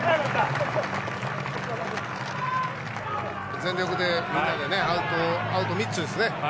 全力でみんなでアウト３つですね。